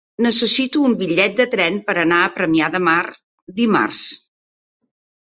Necessito un bitllet de tren per anar a Premià de Mar dimarts.